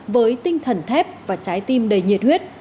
với tinh thần thép và trái tim đầy nhiệt huyết